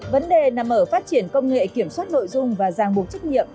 vấn đề nằm ở phát triển công nghệ kiểm soát nội dung và giang buộc trách nhiệm